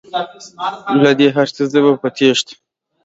له دې هرڅه زه په تیښته